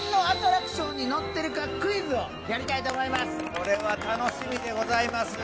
これは楽しみでございますね。